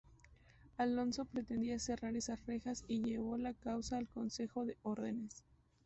Alonso pretendía cerrar esas rejas y llevó la causa al consejo de Órdenes.